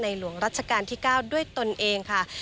หลวงรัชกาลที่๙ด้วยตนเองค่ะ